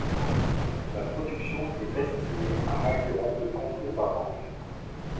La production est estimée à environ de comté par an.